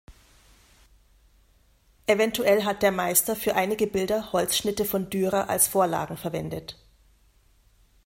Eventuell hat der Meister für einige Bilder Holzschnitte von Dürer als Vorlagen verwendet.